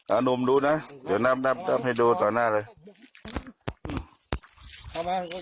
หนุ่มดูนะเดี๋ยวน้ำนับให้ดูต่อหน้าเลย